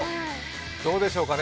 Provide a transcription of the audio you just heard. どうでしょうかね。